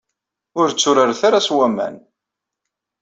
Ur tturaret ara s waman.